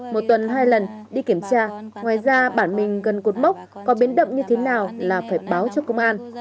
một tuần hai lần đi kiểm tra ngoài ra bản mình gần cột mốc có biến động như thế nào là phải báo cho công an